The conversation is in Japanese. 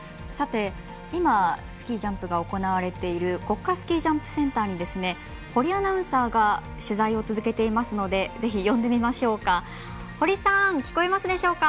今、スキー・ジャンプが行われている国家スキージャンプセンターに堀アナウンサーが取材を続けていますのでぜひ呼んでみましょうか。